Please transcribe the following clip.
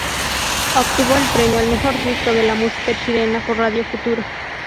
Obtuvo el premio al Mejor Disco de la música chilena por Radio Futuro.